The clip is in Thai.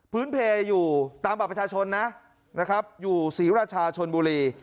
พื้นเพลอยู่ตามบัตรประชาชนนะอยู่ศรีราชาชนบุรี